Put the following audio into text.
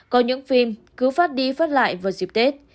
có những phim cứ phát đi phát lại vào dịp tết